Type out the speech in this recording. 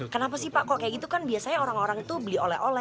kenapa sih pak kok kayak gitu kan biasanya orang orang itu beli oleh oleh